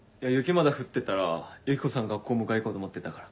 まだ降ってたらユキコさん学校迎えに行こうと思ってたから。